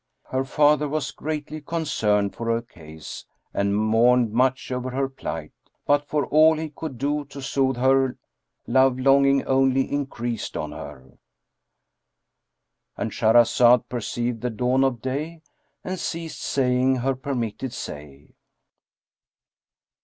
Her father was greatly concerned for her case and mourned much over her plight; but, for all he could do to soother her, love longing only increased on her.—And Shahrazad perceived the dawn of day and ceased saying her permitted say.